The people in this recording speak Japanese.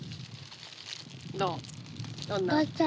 どう？